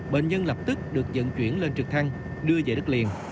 bệnh nhân lập tức được dẫn chuyển lên trực thăng đưa về đất liền